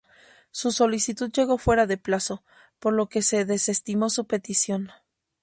Su solicitud llegó fuera de plazo, por lo que se desestimó su petición.